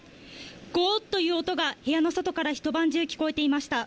ごーっという音が部屋の外から一晩中聞こえていました。